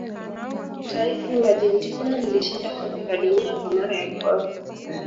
taifa la argentina lilishinda kombe la dunia kwa mara ya kwanza